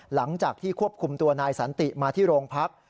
หลังจากที่ควบคุมตัวนายสันติมาที่โรงพัก